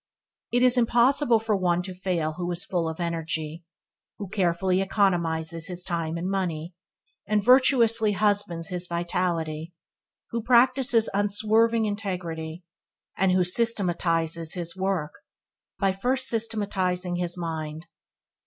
It is impossible for one to fail who is full of energy, who carefully economizes his time and money, and virtuously husbands his vitality, who practices unswerving integrity, and who systematizes his work by first systematizing his mind.